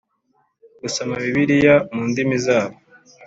gusoma Bibiliya mu ndimi zabo